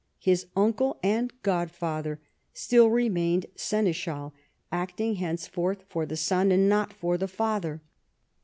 His uncle and godfather still remained seneschal, acting henceforth for the son and not for the father.